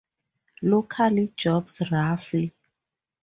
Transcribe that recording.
Local jobs roughly.